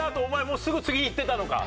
もうすぐ次いってたのか？